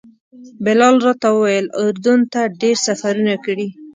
بلال راته وویل اردن ته ډېر سفرونه کړي.